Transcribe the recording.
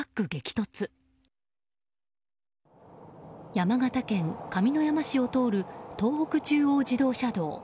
山形県上山市を通る東北中央自動車道。